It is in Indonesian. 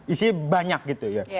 isinya banyak gitu ya